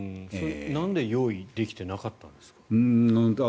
なんで用意できていなかったんですか？